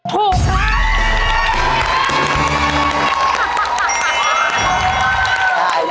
ถูกครับ